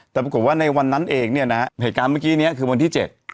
แต่ปรากฏว่าในวันนั้นเองเนี่ยนะฮะเหตุการณ์เมื่อกี้นี้คือวันที่เจ็ด